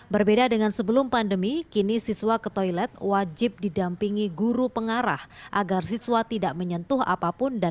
berbeda dengan sebelum pandemi kini siswa ke toilet wajib didampingi guru pengarah agar siswa tidak menyentuh apapun dan